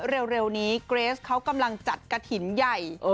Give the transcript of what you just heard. เร็วนี้เกรสเขากำลังจัดกระถิ่นใหญ่